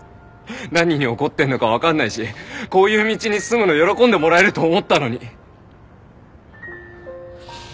何に怒ってんのか分かんないしこういう道に進むの喜んでもらえると思ったのに。